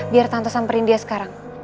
biar tante samperin dia sekarang